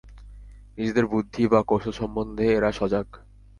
নিজের বুদ্ধি বা কৌশল সম্বন্ধে এরা সজাগ।